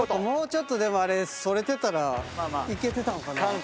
もうちょっとあれそれてたらいけてたんかな。